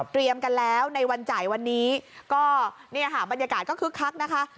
กันแล้วในวันจ่ายวันนี้ก็เนี่ยค่ะบรรยากาศก็คึกคักนะคะ